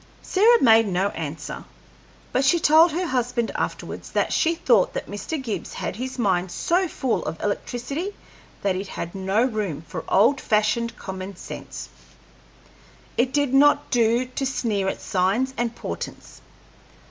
Sarah made no answer, but she told her husband afterwards that she thought that Mr. Gibbs had his mind so full of electricity that it had no room for old fashioned common sense. It did not do to sneer at signs and portents.